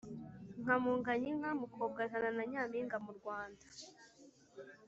nka Munganyinka Mukobwajana na Nyampinga Mu Rwanda